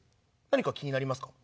何か気になりますか？